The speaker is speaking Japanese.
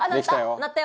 鳴ったよ！